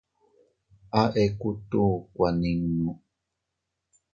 A ekutu kuaninu.